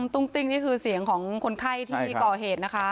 ตุ้งติ้งนี่คือเสียงของคนไข้ที่ก่อเหตุนะคะ